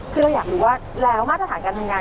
คือเราอยากรู้ว่าแล้วมาตรฐานการทำงาน